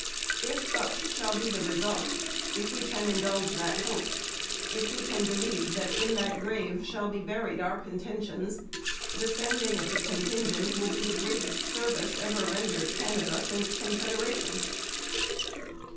If such shall be the result, if we can indulge that hope, if we can believe that in that grave shall be buried our contentions, the sending of the contingent will be the greatest service ever rendered Canada since Confederation.